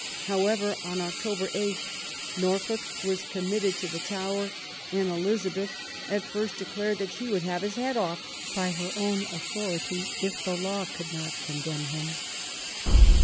However, on October 8 Norfolk was committed to the Tower, and Elizabeth at first declared that she would have his head off by her own authority if the law could not condemn him.